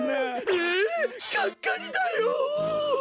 えがっかりだよ。